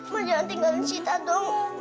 ma jangan tinggalin sita dong